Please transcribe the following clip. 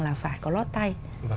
là phải có lót tay